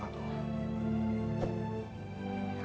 aku mau serius sama kamu ayah